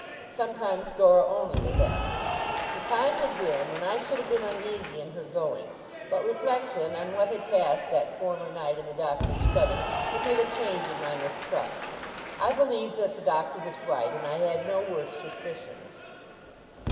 Sometimes Dora only was asked. The time had been, when I should have been uneasy in her going; but reflection on what had passed that former night in the Doctor's study, had made a change in my mistrust. I believed that the Doctor was right, and I had no worse suspicions.